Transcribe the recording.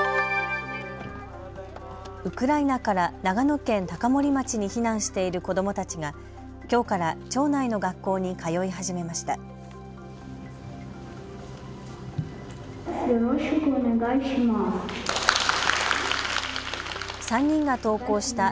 ウクライナから長野県高森町に避難している子どもたちがきょうから町内の学校に通い始めました。